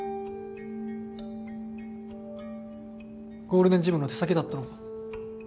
ゴールデンジムの手先だったのか。